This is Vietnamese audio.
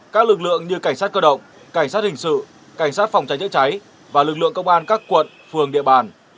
các lực lượng như cảnh sát cơ động cảnh sát hình sự cảnh sát phòng cháy chữa cháy và lực lượng công an các quận phường địa bàn